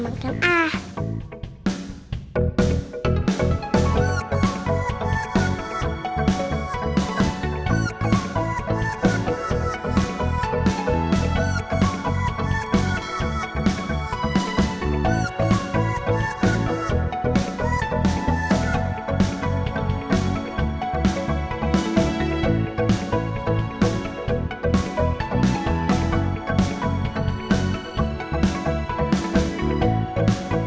oleh melihat perancitnya